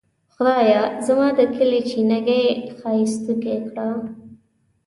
خدایه زما د کلي چینه ګۍ ښائستوکې کړه.